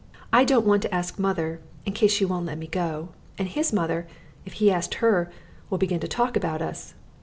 I don't want to ask mother, in case she won't let me go; and his mother, if he asked her, will begin to talk about us.